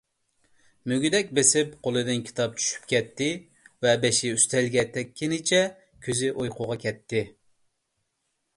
مۈگدەك بېسىپ قولىدىن كىتاب چۈشۈپ كەتتى ۋە بېشى ئۈستەلگە تەگكىنىچە كۆزى ئۇيقۇغا كەتتى.